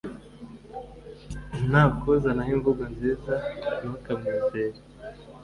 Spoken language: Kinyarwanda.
nakuzanaho imvugo nziza, ntukamwizere